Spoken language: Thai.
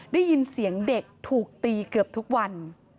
ได้ยินเสียงเด็กถูกตีเกือบทุกวัน